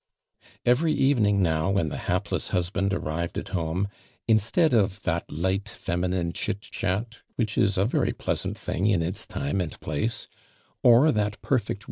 Every evening now when the hapless bus land arrived al li<»nic, instead of that light feminine chit eiiafe which is a very pleasant thing in its time und i)lace, or that perfect